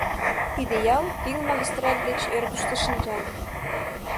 Тиде ял тӱҥ магистраль деч ӧрдыжтӧ шинча.